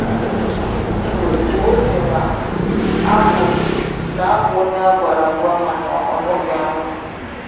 Igbo sị na ọ na-abụ onye a gwara agwa mana ọ nụghị anụ